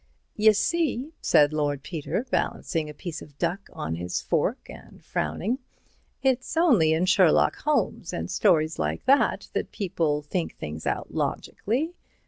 "Y'see," said Lord Peter, balancing a piece of duck on his fork and frowning, "it's only in Sherlock Holmes and stories like that, that people think things out logically.